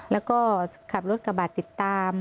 แล้วก็ขับรถกระบะติดตาม